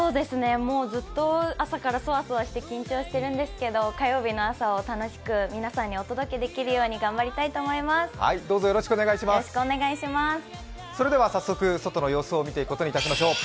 ずっと朝からそわそわして緊張してるんですけれども、火曜日の朝を楽しく皆さんにお届けできるようにそれでは早速、外の様子を見ていくことにしましょう。